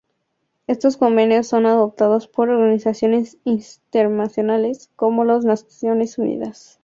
Estos convenios son adoptados por organizaciones internacionales como las Naciones Unidas.